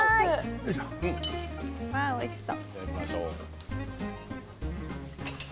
おいしそう。